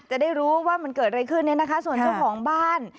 จะได้รู้ว่ามันเกิดอะไรขึ้นเนี่ยนะคะส่วนเจ้าของบ้าน